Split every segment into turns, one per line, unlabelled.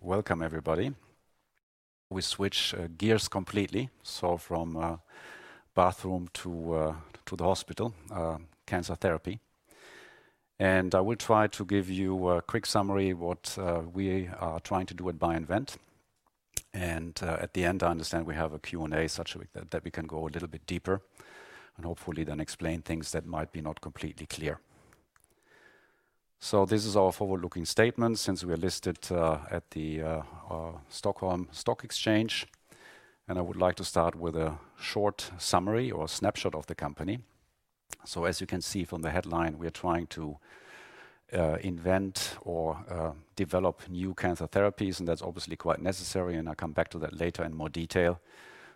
Welcome everybody. We switch gears completely, so from bathroom to the hospital, cancer therapy. I will try to give you a quick summary what we are trying to do at BioInvent. At the end, I understand we have a Q&A, such that we can go a little bit deeper and hopefully then explain things that might be not completely clear. This is our forward-looking statement since we are listed at the Stockholm Stock Exchange. I would like to start with a short summary or snapshot of the company. As you can see from the headline, we are trying to invent or develop new cancer therapies, and that's obviously quite necessary, and I'll come back to that later in more detail.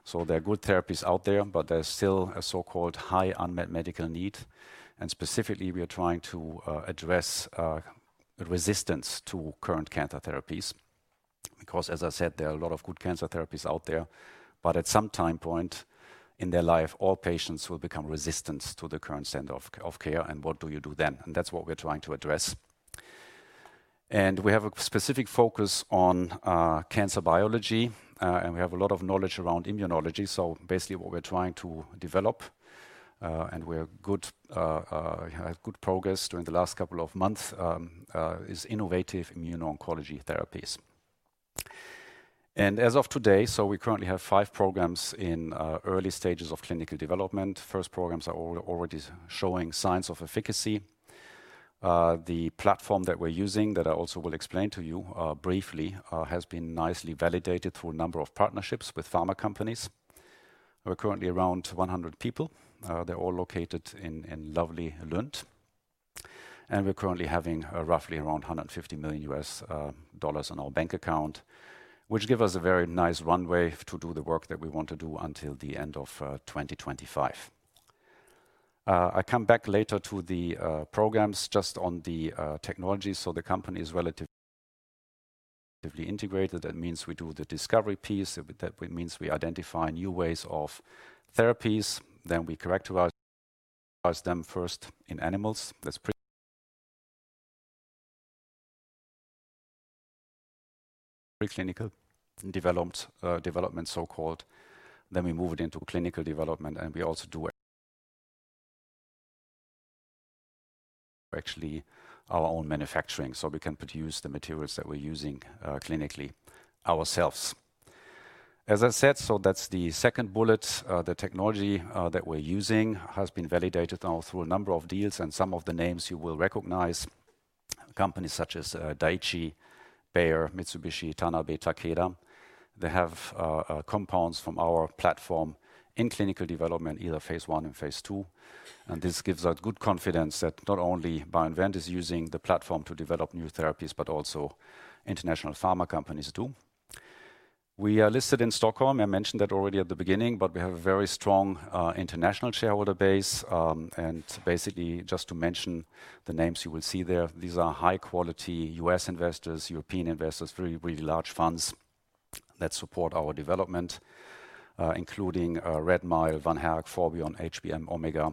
So there are good therapies out there, but there's still a so-called high unmet medical need. And specifically, we are trying to address resistance to current cancer therapies, because as I said, there are a lot of good cancer therapies out there, but at some time point in their life, all patients will become resistant to the current standard of care, and what do you do then? And that's what we're trying to address. And we have a specific focus on cancer biology, and we have a lot of knowledge around immunology. So basically, what we're trying to develop, and we had good progress during the last couple of months, is innovative immuno-oncology therapies. And as of today, we currently have five programs in early stages of clinical development. First programs are already showing signs of efficacy. The platform that we're using, that I also will explain to you, briefly, has been nicely validated through a number of partnerships with pharma companies. We're currently around 100 people. They're all located in lovely Lund, and we're currently having roughly around $150 million in our bank account, which give us a very nice runway to do the work that we want to do until the end of 2025. I come back later to the programs just on the technology. So the company is relatively integrated. That means we do the discovery piece. That means we identify new ways of therapies, then we characterize them first in animals. That's pre-clinical development, so-called. Then we move it into clinical development, and we also do actually our own manufacturing, so we can produce the materials that we're using clinically ourselves. As I said, so that's the second bullet. The technology that we're using has been validated now through a number of deals, and some of the names you will recognize, companies such as Daiichi, Bayer, Mitsubishi Tanabe, Takeda. They have compounds from our platform in clinical development, either phase I and phase II. And this gives us good confidence that not only BioInvent is using the platform to develop new therapies, but also international pharma companies, too. We are listed in Stockholm. I mentioned that already at the beginning, but we have a very strong international shareholder base. And basically, just to mention the names you will see there, these are high-quality U.S. investors, European investors, really, really large funds that support our development, including Redmile, Van Herk, Forbion, HBM, Omega.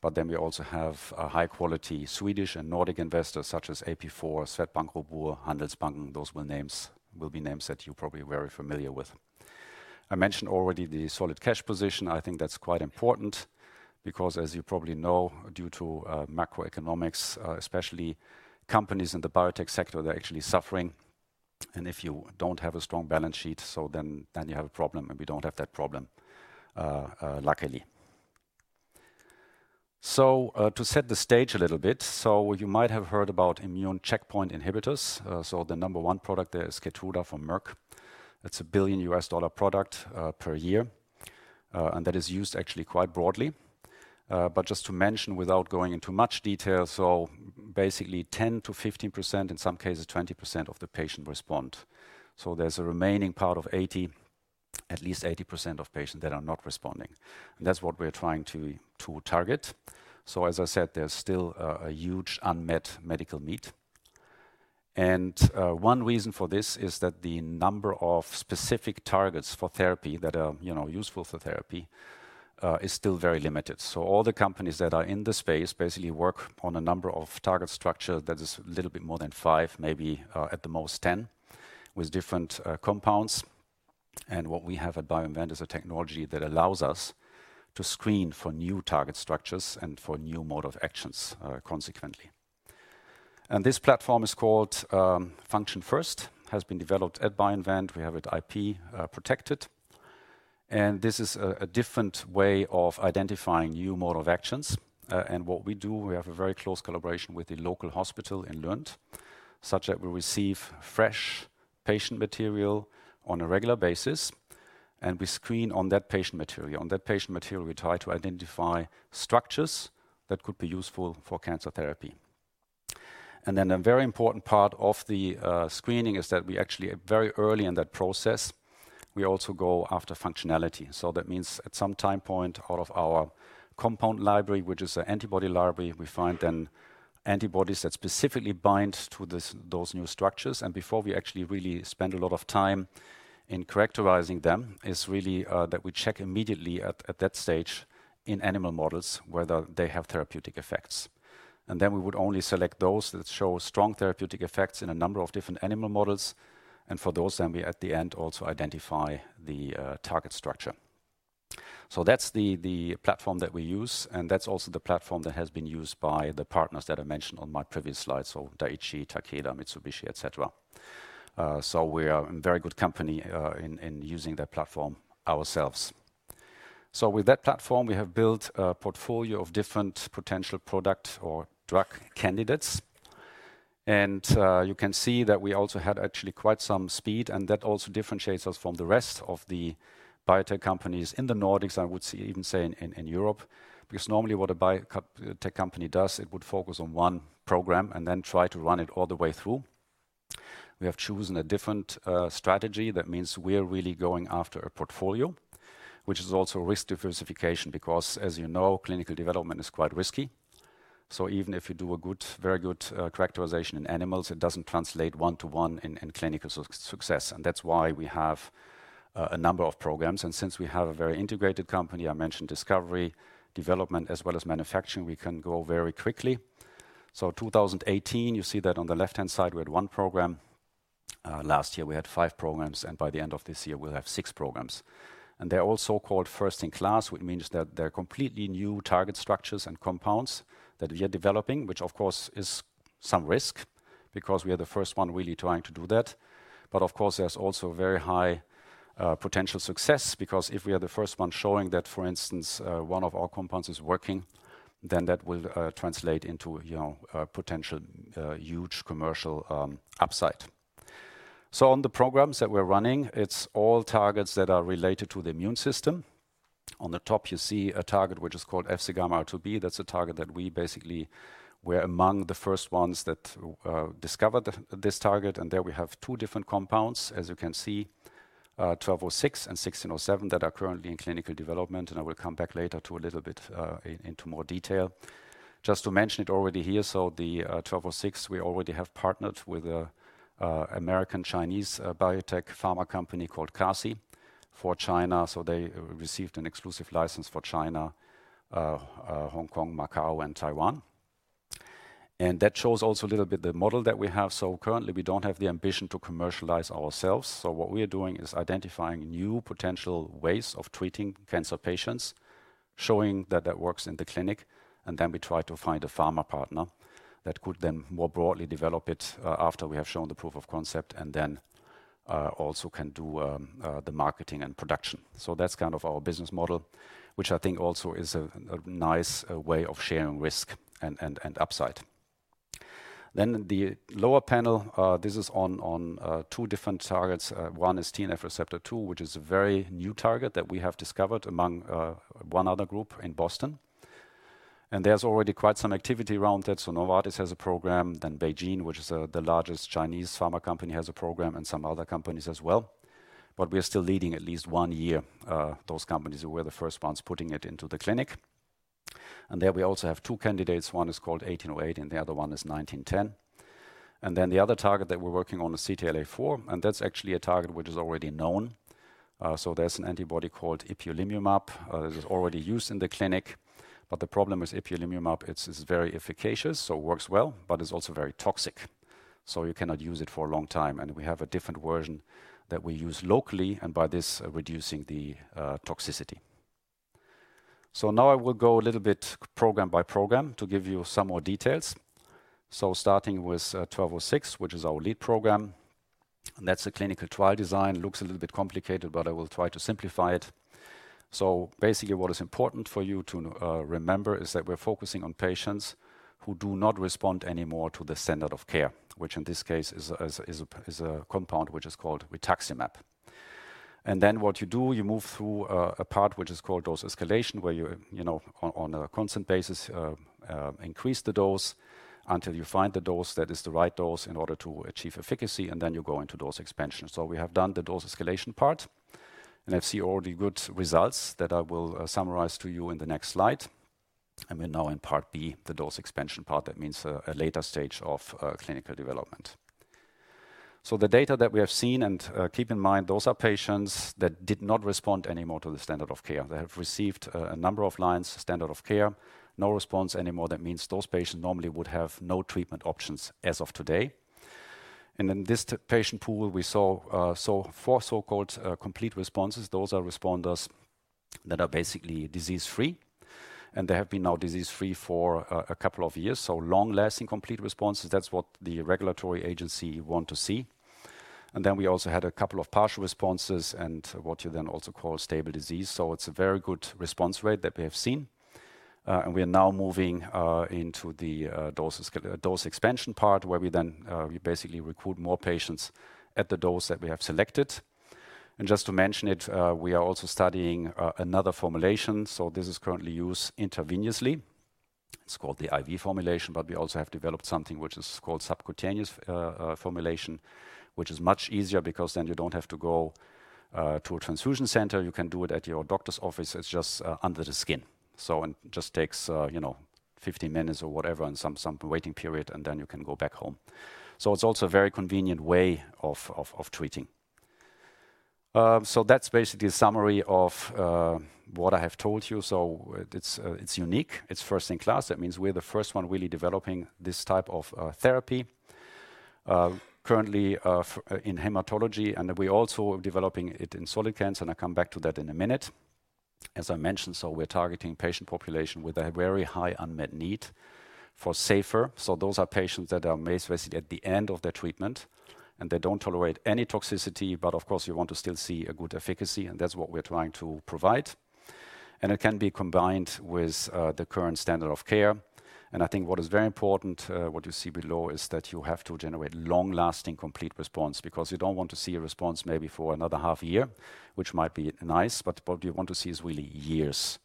But then we also have a high-quality Swedish and Nordic investors such as AP4, Swedbank Robur, Handelsbanken. Those were names, will be names that you're probably very familiar with. I mentioned already the solid cash position. I think that's quite important because, as you probably know, due to macroeconomics, especially companies in the biotech sector, they're actually suffering. And if you don't have a strong balance sheet, so then you have a problem, and we don't have that problem, luckily. So, to set the stage a little bit, so you might have heard about immune checkpoint inhibitors. So the number one product there is KEYTRUDA from Merck. That's a $1 billion product per year, and that is used actually quite broadly. But just to mention, without going into much detail, so basically 10%-15%, in some cases, 20% of the patient respond. So there's a remaining part of 80, at least 80% of patients that are not responding, and that's what we're trying to target. So as I said, there's still a huge unmet medical need. And one reason for this is that the number of specific targets for therapy that are, you know, useful for therapy, is still very limited. So all the companies that are in the space basically work on a number of target structure that is a little bit more than 5, maybe, at the most, 10, with different compounds. What we have at BioInvent is a technology that allows us to screen for new target structures and for new mode of actions, consequently. This platform is called Function First, has been developed at BioInvent. We have it IP protected, and this is a different way of identifying new mode of actions. And what we do, we have a very close collaboration with the local hospital in Lund, such that we receive fresh patient material on a regular basis, and we screen on that patient material. On that patient material, we try to identify structures that could be useful for cancer therapy. And then a very important part of the screening is that we actually, very early in that process, we also go after functionality. So that means at some time point, out of our compound library, which is an antibody library, we find then antibodies that specifically bind to this, those new structures. And before we actually really spend a lot of time in characterizing them, is really that we check immediately at that stage in animal models whether they have therapeutic effects. And then we would only select those that show strong therapeutic effects in a number of different animal models, and for those, then we at the end, also identify the target structure. So that's the platform that we use, and that's also the platform that has been used by the partners that I mentioned on my previous slide, so Daiichi, Takeda, Mitsubishi, et cetera. So we are in very good company in using that platform ourselves. So with that platform, we have built a portfolio of different potential product or drug candidates. And you can see that we also had actually quite some speed, and that also differentiates us from the rest of the biotech companies in the Nordics. I would say even in Europe. Because normally what a biotech company does, it would focus on one program and then try to run it all the way through. We have chosen a different strategy. That means we are really going after a portfolio, which is also risk diversification, because, as you know, clinical development is quite risky. So even if you do a good, very good characterization in animals, it doesn't translate one-to-one in clinical success, and that's why we have a number of programs. And since we have a very integrated company, I mentioned discovery, development, as well as manufacturing, we can grow very quickly. So 2018, you see that on the left-hand side, we had 1 program. Last year we had 5 programs, and by the end of this year, we'll have 6 programs. And they're all so-called first-in-class, which means that they're completely new target structures and compounds that we are developing, which of course is some risk because we are the first one really trying to do that. But of course, there's also very high potential success, because if we are the first one showing that, for instance, one of our compounds is working, then that will translate into, you know, a potential huge commercial upside. So on the programs that we're running, it's all targets that are related to the immune system. On the top, you see a target, which is called FcγRIIB. That's a target that we basically were among the first ones that discovered this target, and there we have two different compounds, as you can see, BI-1206 and BI-1607, that are currently in clinical development, and I will come back later to a little bit into more detail. Just to mention it already here, so the BI-1206, we already have partnered with an American Chinese biotech pharma company called CASI for China, so they received an exclusive license for China, Hong Kong, Macau, and Taiwan. And that shows also a little bit the model that we have. So currently, we don't have the ambition to commercialize ourselves. So what we are doing is identifying new potential ways of treating cancer patients, showing that that works in the clinic, and then we try to find a pharma partner that could then more broadly develop it, after we have shown the proof of concept and then, also can do, the marketing and production. So that's kind of our business model, which I think also is a, a nice, way of sharing risk and, and, and upside. Then the lower panel, this is on, on, two different targets. One is TNF receptor 2, which is a very new target that we have discovered among, one other group in Boston, and there's already quite some activity around it. So Novartis has a program, then BeiGene, which is the largest Chinese pharma company, has a program, and some other companies as well. But we are still leading at least one year those companies. We're the first ones putting it into the clinic. And there we also have two candidates. One is called 1808, and the other one is 1910. And then the other target that we're working on is CTLA-4, and that's actually a target which is already known. So there's an antibody called ipilimumab that is already used in the clinic, but the problem with ipilimumab, it's very efficacious, so it works well, but it's also very toxic, so you cannot use it for a long time. And we have a different version that we use locally, and by this reducing the toxicity. So now I will go a little bit program by program to give you some more details. So starting with 1206, which is our lead program, and that's a clinical trial design. Looks a little bit complicated, but I will try to simplify it. So basically, what is important for you to remember, is that we're focusing on patients who do not respond anymore to the standard of care, which in this case is a compound which is called rituximab. And then what you do, you move through a path which is called dose escalation, where you know, on a constant basis, increase the dose until you find the dose that is the right dose in order to achieve efficacy, and then you go into dose expansion. So we have done the dose escalation part, and I see already good results that I will summarize to you in the next slide. And we're now in Part B, the dose expansion part. That means a later stage of clinical development. So the data that we have seen, and keep in mind, those are patients that did not respond anymore to the standard of care. They have received a number of lines, standard of care, no response anymore. That means those patients normally would have no treatment options as of today. And in this patient pool, we saw four so-called complete responses. Those are responders that are basically disease-free, and they have been now disease-free for a couple of years. So long-lasting complete responses, that's what the regulatory agency want to see. Then we also had a couple of partial responses and what you then also call stable disease. So it's a very good response rate that we have seen. And we are now moving into the dose expansion part, where we then basically recruit more patients at the dose that we have selected. And just to mention it, we are also studying another formulation, so this is currently used intravenously. It's called the IV formulation, but we also have developed something which is called subcutaneous formulation, which is much easier because then you don't have to go to a transfusion center. You can do it at your doctor's office. It's just under the skin. So it just takes you know, 15 minutes or whatever, and some waiting period, and then you can go back home. So it's also a very convenient way of treating. So that's basically a summary of what I have told you. So it's unique. It's first-in-class. That means we're the first one really developing this type of therapy currently in hematology, and we also are developing it in solid cancer, and I'll come back to that in a minute. As I mentioned, so we're targeting patient population with a very high unmet need for safer. So those are patients that may basically at the end of their treatment, and they don't tolerate any toxicity, but of course, you want to still see a good efficacy, and that's what we're trying to provide. And it can be combined with the current standard of care. I think what is very important, what you see below, is that you have to generate long-lasting, complete response, because you don't want to see a response maybe for another half year, which might be nice, but what you want to see is really years.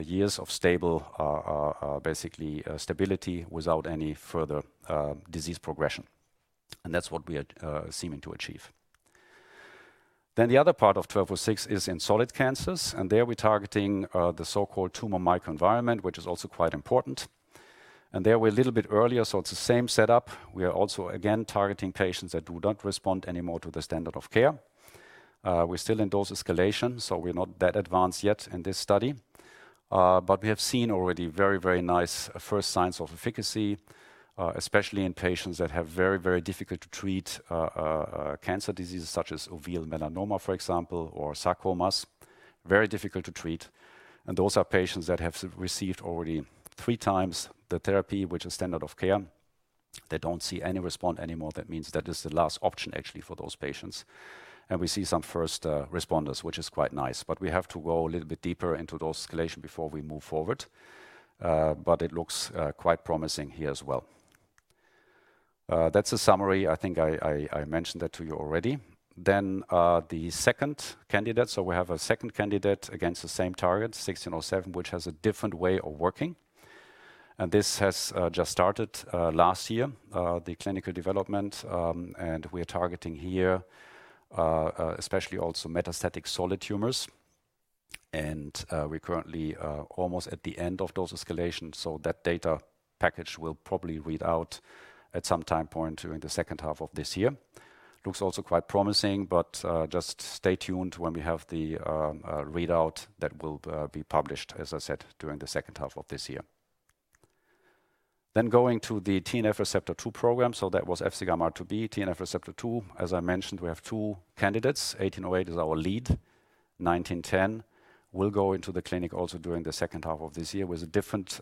Years of stable, basically, stability without any further disease progression. That's what we are seeming to achieve. Then the other part of BI-1206 is in solid cancers, and there we're targeting the so-called tumor microenvironment, which is also quite important. And there we're a little bit earlier, so it's the same setup. We are also, again, targeting patients that do not respond anymore to the standard of care. We're still in dose escalation, so we're not that advanced yet in this study. But we have seen already very, very nice first signs of efficacy, especially in patients that have very, very difficult to treat, cancer diseases such as uveal melanoma, for example, or sarcomas. Very difficult to treat, and those are patients that have received already three times the therapy, which is standard of care. They don't see any response anymore, that means that is the last option actually for those patients. And we see some first responders, which is quite nice, but we have to go a little bit deeper into dose escalation before we move forward. But it looks quite promising here as well. That's a summary. I think I mentioned that to you already. Then, the second candidate, so we have a second candidate against the same target, BI-1607, which has a different way of working. And this has just started last year the clinical development, and we are targeting here especially also metastatic solid tumors. And, we're currently almost at the end of dose escalation, so that data package will probably read out at some time point during the second half of this year. Looks also quite promising, but just stay tuned when we have the readout that will be published, as I said, during the second half of this year. Then going to the TNFR2 program, so that was FcγRIIB, TNFR2. As I mentioned, we have two candidates. BI-1808 is our lead. BI-1910 will go into the clinic also during the second half of this year, with a different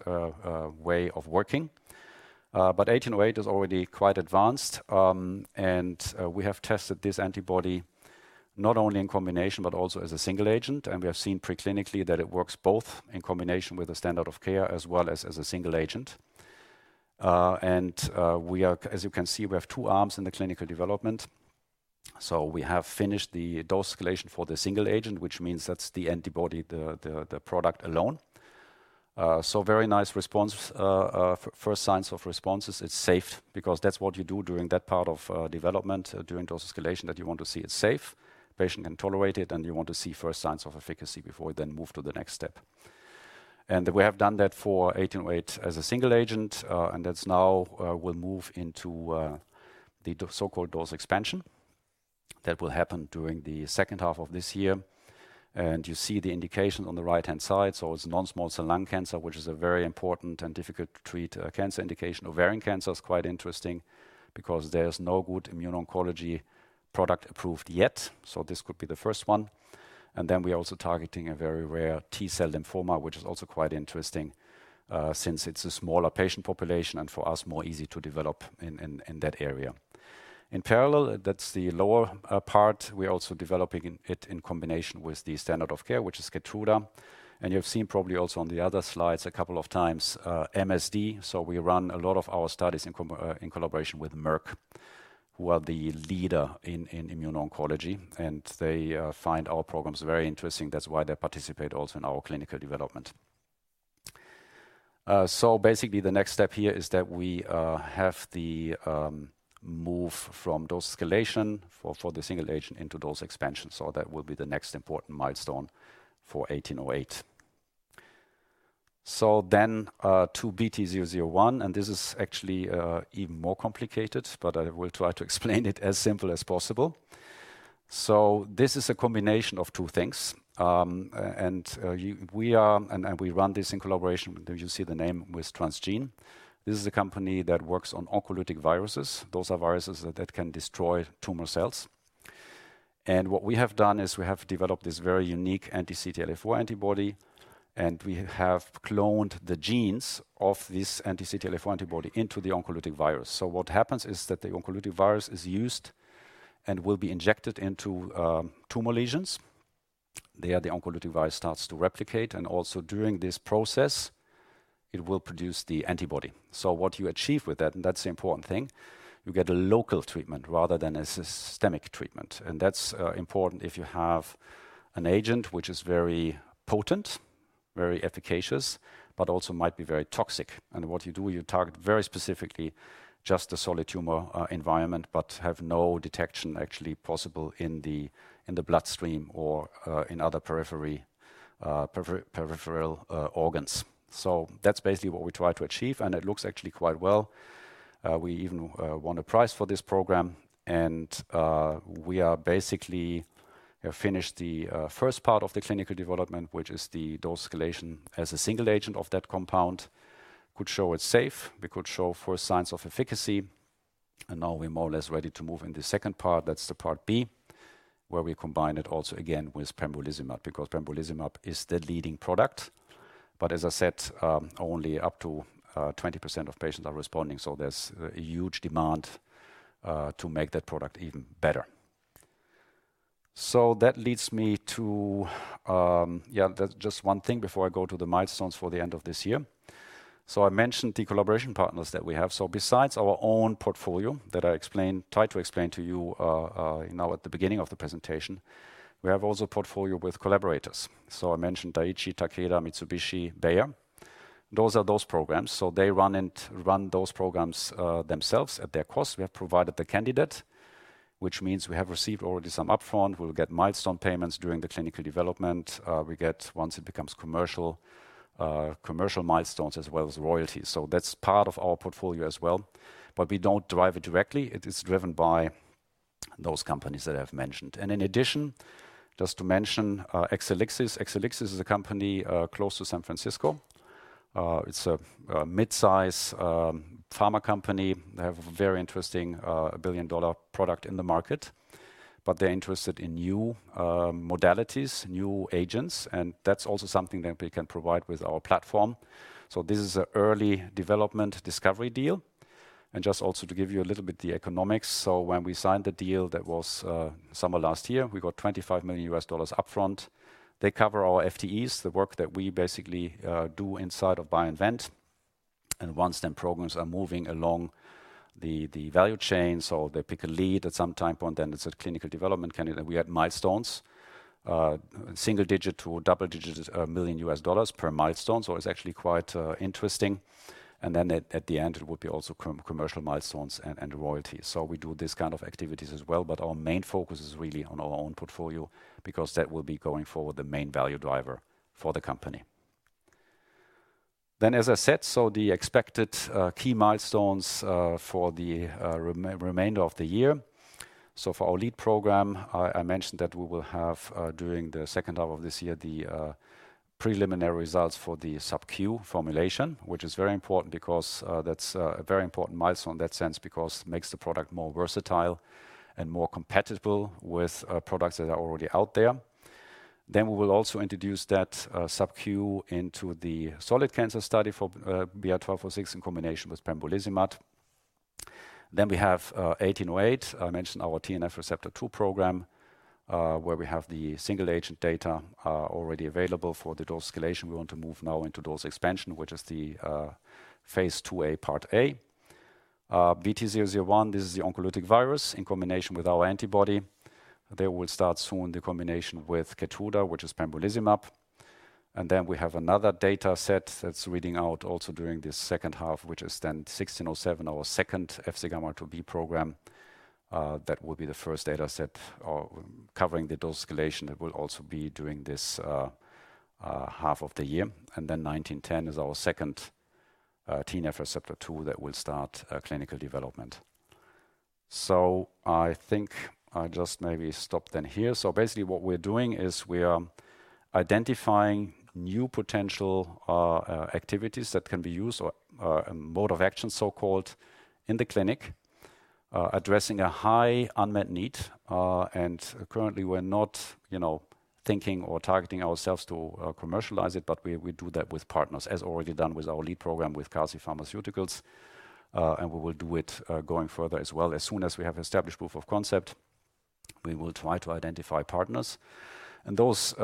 way of working. But BI-1808 is already quite advanced, and we have tested this antibody not only in combination but also as a single agent, and we have seen preclinically that it works both in combination with the standard of care as well as a single agent. And, as you can see, we have two arms in the clinical development. So we have finished the dose escalation for the single agent, which means that's the antibody, the product alone. So very nice response, first signs of responses. It's safe because that's what you do during that part of development, during dose escalation, that you want to see it's safe, patient can tolerate it, and you want to see first signs of efficacy before you then move to the next step. We have done that for BI-1808 as a single agent, and that's now will move into the so-called dose expansion. That will happen during the second half of this year, and you see the indication on the right-hand side. So it's non-small cell lung cancer, which is a very important and difficult to treat cancer indication. Ovarian cancer is quite interesting because there's no good immuno-oncology product approved yet, so this could be the first one. Then we're also targeting a very rare T-cell lymphoma, which is also quite interesting, since it's a smaller patient population and for us, more easy to develop in that area. In parallel, that's the lower part. We're also developing it in combination with the standard of care, which is KEYTRUDA. And you've seen probably also on the other slides a couple of times, MSD. So we run a lot of our studies in collaboration with Merck, who are the leader in immuno-oncology, and they find our programs very interesting. That's why they participate also in our clinical development. So basically, the next step here is that we have the move from dose escalation for the single agent into dose expansion. So that will be the next important milestone for BI-1808. So then, to BT-001, and this is actually even more complicated, but I will try to explain it as simple as possible. So this is a combination of two things. And we run this in collaboration with, you see the name, with Transgene. This is a company that works on oncolytic viruses. Those are viruses that can destroy tumor cells. And what we have done is we have developed this very unique anti-CTLA-4 antibody, and we have cloned the genes of this anti-CTLA-4 antibody into the oncolytic virus. So what happens is that the oncolytic virus is used and will be injected into tumor lesions. There, the oncolytic virus starts to replicate, and also during this process, it will produce the antibody. So what you achieve with that, and that's the important thing, you get a local treatment rather than a systemic treatment. And that's important if you have an agent, which is very potent, very efficacious, but also might be very toxic. And what you do, you target very specifically just the solid tumor environment, but have no detection actually possible in the bloodstream or in other peripheral organs. So that's basically what we try to achieve, and it looks actually quite well. We even won a prize for this program, and we have finished the first part of the clinical development, which is the dose escalation as a single agent of that compound. Could show it's safe, we could show first signs of efficacy, and now we're more or less ready to move in the second part. That's the Part B, where we combine it also again with pembrolizumab, because pembrolizumab is the leading product. But as I said, only up to 20% of patients are responding, so there's a huge demand to make that product even better. So that leads me to, yeah, there's just one thing before I go to the milestones for the end of this year. So I mentioned the collaboration partners that we have. So besides our own portfolio that I tried to explain to you, you know, at the beginning of the presentation, we have also a portfolio with collaborators. So I mentioned Daiichi, Takeda, Mitsubishi, Bayer. Those are those programs, so they run those programs themselves at their cost. We have provided the candidate, which means we have received already some upfront. We'll get milestone payments during the clinical development. We get, once it becomes commercial, commercial milestones as well as royalties. So that's part of our portfolio as well, but we don't drive it directly. It is driven by those companies that I've mentioned. And in addition, just to mention, Exelixis. Exelixis is a company close to San Francisco. It's a mid-size pharma company. They have a very interesting billion-dollar product in the market, but they're interested in new modalities, new agents, and that's also something that we can provide with our platform. So this is an early development discovery deal. And just also to give you a little bit the economics. So when we signed the deal, that was summer last year, we got $25 million upfront. They cover our FTEs, the work that we basically do inside of BioInvent, and once the programs are moving along the value chain, so they pick a lead at some time point, then it's a clinical development candidate. We had milestones, single-digit to double-digit dollar million per milestone, so it's actually quite interesting. And then at the end, it would be also commercial milestones and royalties. So we do this kind of activities as well, but our main focus is really on our own portfolio because that will be going forward the main value driver for the company. Then, as I said, so the expected key milestones for the remainder of the year. So for our lead program, I mentioned that we will have, during the second half of this year, the preliminary results for the Sub-Q formulation, which is very important because, that's a very important milestone in that sense, because it makes the product more versatile and more compatible with, products that are already out there. Then we will also introduce that, Sub-Q into the solid cancer study for, BI-1206 in combination with pembrolizumab. Then we have, BI-1808. I mentioned our TNF receptor two program, where we have the single agent data, already available for the dose escalation. We want to move now into dose expansion, which is the, phase IIa, Part A. BT-001, this is the oncolytic virus in combination with our antibody. They will start soon the combination with KEYTRUDA, which is pembrolizumab. And then we have another dataset that's reading out also during this second half, which is then BI-1607, our second FcγRIIB program. That will be the first dataset covering the dose escalation that will also be during this half of the year. And then BI-1910 is our second TNF receptor 2 that will start clinical development. So I think I just maybe stop then here. So basically, what we're doing is we are identifying new potential activities that can be used or mode of action, so-called, in the clinic addressing a high unmet need. And currently, we're not, you know, thinking or targeting ourselves to commercialize it, but we do that with partners, as already done with our lead program with CASI Pharmaceuticals. And we will do it going further as well. As soon as we have established proof of concept, we will try to identify partners. Those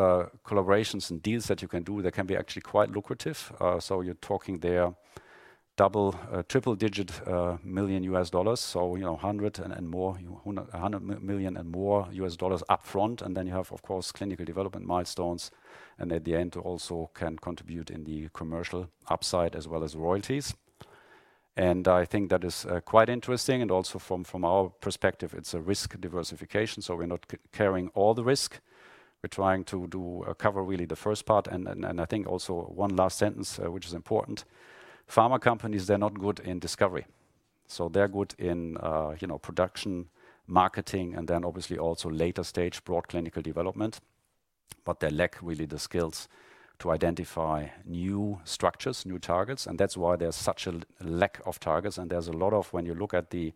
collaborations and deals that you can do, they can be actually quite lucrative. So you're talking there double- and triple-digit million dollars. So, you know, $100 million and more upfront. And then you have, of course, clinical development milestones, and at the end, also can contribute in the commercial upside as well as royalties. And I think that is quite interesting, and also from our perspective, it's a risk diversification, so we're not carrying all the risk. We're trying to cover really the first part. And I think also one last sentence, which is important: pharma companies, they're not good in discovery. So they're good in, you know, production, marketing, and then obviously also later stage broad clinical development, but they lack really the skills to identify new structures, new targets, and that's why there's such a lack of targets. And there's a lot of, when you look at the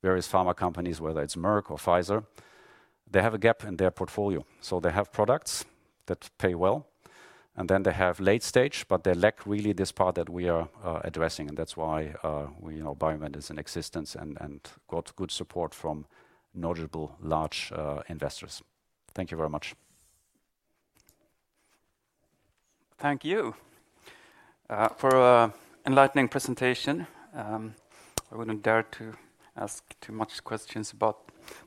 various pharma companies, whether it's Merck or Pfizer, they have a gap in their portfolio. So they have products that pay well, and then they have late stage, but they lack really this part that we are addressing, and that's why we, you know, BioInvent is in existence and got good support from notable large investors. Thank you very much.
Thank you for an enlightening presentation. I wouldn't dare to ask too much questions about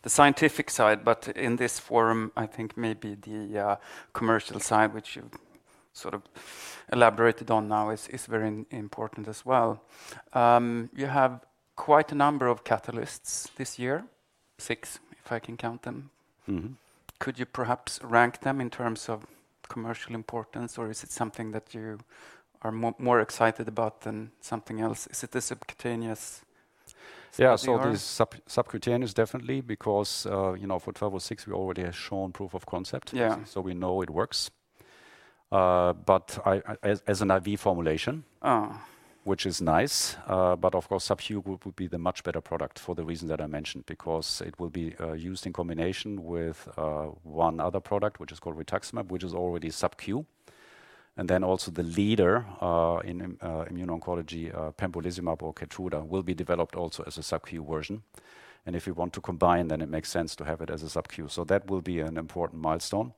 the scientific side, but in this forum, I think maybe the commercial side, which you sort of elaborated on now, is very important as well. You have quite a number of catalysts this year, six, if I can count them.
Mm-hmm.
Could you perhaps rank them in terms of commercial importance, or is it something that you are more, more excited about than something else? Is it the subcutaneous-
Yeah, so the subcutaneous definitely, because, you know, for BI-1206, we already have shown proof of concept.
Yeah.
So we know it works. But I, as an IV formulation-
Ah.
which is nice. But of course, Sub-Q route would be the much better product for the reason that I mentioned, because it will be used in combination with one other product, which is called rituximab, which is already subcu. And then also the leader in immuno-oncology, pembrolizumab or KEYTRUDA, will be developed also as a Sub-Q version. And if you want to combine, then it makes sense to have it as a subcu. So that will be an important milestone.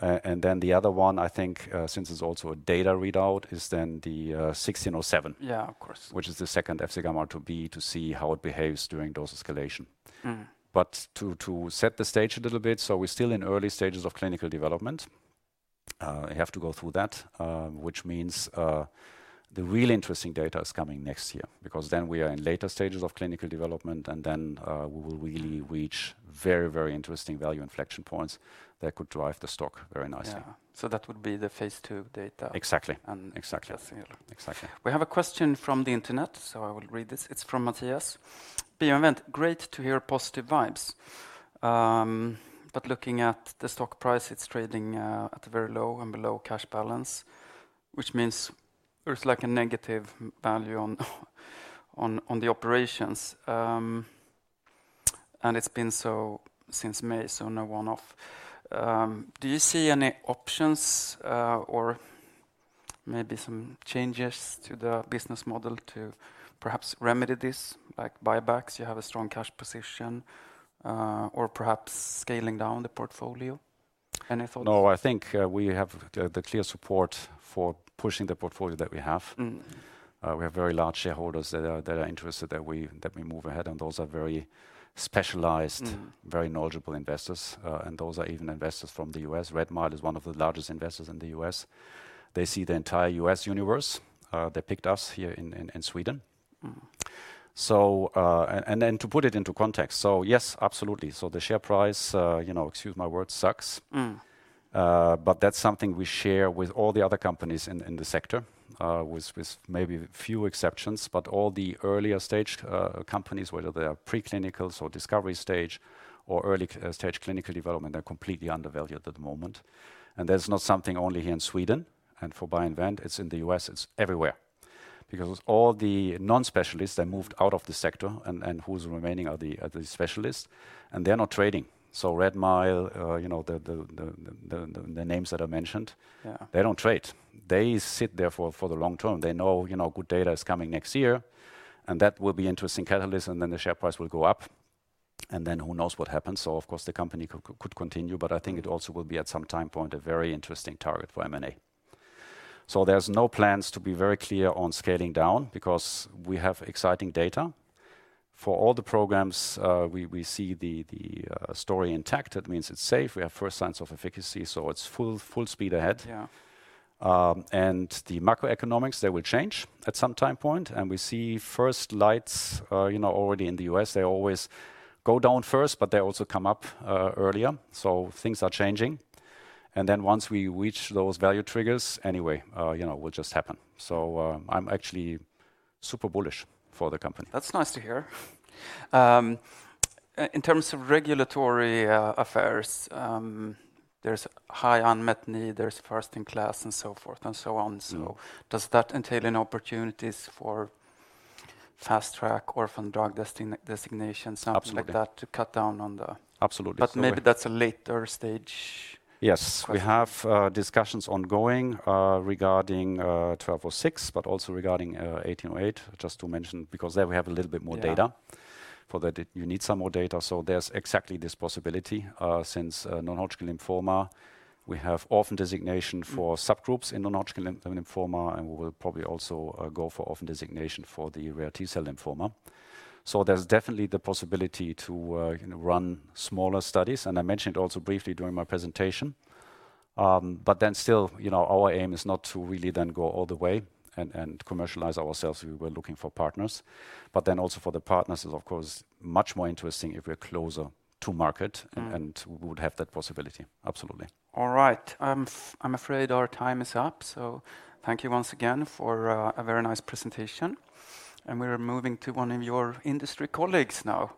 And then the other one, I think, since it's also a data readout, is then the BI-1607.
Yeah, of course.
Which is the second FcγRIIB, to see how it behaves during dose escalation.
Mm.
To set the stage a little bit, so we're still in early stages of clinical development. We have to go through that, which means the really interesting data is coming next year, because then we are in later stages of clinical development, and then we will really reach very, very interesting value inflection points that could drive the stock very nicely.
Yeah. So that would be the phase II data-
Exactly.
- and
Exactly. Exactly.
We have a question from the internet, so I will read this. It's from Matthias. BioInvent, great to hear positive vibes. But looking at the stock price, it's trading at a very low and below cash balance, which means there's like a negative value on the operations. And it's been so since May, so no one-off. Do you see any options or maybe some changes to the business model to perhaps remedy this, like buybacks? You have a strong cash position or perhaps scaling down the portfolio. Any thoughts?
No, I think, we have the clear support for pushing the portfolio that we have.
Mm-hmm.
We have very large shareholders that are, that are interested that we, that we move ahead, and those are very specialized-
Mm.
- Very knowledgeable investors. And those are even investors from the U.S. Redmile is one of the largest investors in the U.S. They see the entire U.S. universe. They picked us here in Sweden.
Mm.
To put it into context, yes, absolutely. So the share price, you know, excuse my word, sucks.
Mm.
But that's something we share with all the other companies in the sector, with maybe few exceptions, but all the earlier stage companies, whether they are preclinical or discovery stage or early stage clinical development, are completely undervalued at the moment. And that's not something only here in Sweden and for BioInvent, it's in the U.S., it's everywhere. Because all the non-specialists, they moved out of the sector and who's remaining are the specialists, and they're not trading. So Redmile, you know, the names that I mentioned-
Yeah
they don't trade. They sit there for the long term. They know, you know, good data is coming next year, and that will be interesting catalyst, and then the share price will go up, and then who knows what happens. So of course, the company could continue, but I think it also will be, at some time point, a very interesting target for M&A. So there's no plans to be very clear on scaling down because we have exciting data. For all the programs, we see the story intact. That means it's safe. We have first signs of efficacy, so it's full speed ahead.
Yeah.
The macroeconomics, they will change at some time point, and we see first lights, you know, already in the U.S. They always go down first, but they also come up earlier, so things are changing. And then once we reach those value triggers, anyway, you know, will just happen. So, I'm actually super bullish for the company.
That's nice to hear. In terms of regulatory affairs, there's high unmet need, there's first in class and so forth and so on.
Mm.
So does that entail any opportunities for fast track, orphan drug designation?
Absolutely
something like that, to cut down on the-
Absolutely.
But maybe that's a later stage?
Yes.
Okay.
We have discussions ongoing regarding BI-1206, but also regarding BI-1808, just to mention, because there we have a little bit more data.
Yeah.
For that, you need some more data, so there's exactly this possibility. Since non-Hodgkin lymphoma, we have orphan designation-
Mm
for subgroups in non-Hodgkin lymphoma, and we will probably also go for orphan designation for the rare T-cell lymphoma. So there's definitely the possibility to, you know, run smaller studies, and I mentioned also briefly during my presentation. But then still, you know, our aim is not to really then go all the way and, and commercialize ourselves. We were looking for partners, but then also for the partners, it's of course much more interesting if we're closer to market-
Mm
and we would have that possibility. Absolutely.
All right. I'm afraid our time is up, so thank you once again for a very nice presentation. And we're moving to one of your industry colleagues now. To-